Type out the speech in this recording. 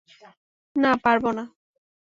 না, পারবো না।